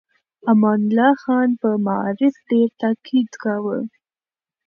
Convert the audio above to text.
امان الله خان په معارف ډېر تاکيد کاوه.